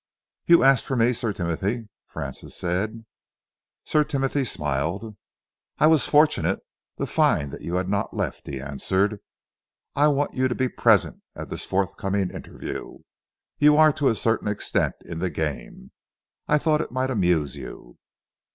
"You asked for me, Sir Timothy," Francis said. Sir Timothy smiled. "I was fortunate to find that you had not left," he answered. "I want you to be present at this forthcoming interview. You are to a certain extent in the game. I thought it might amuse you."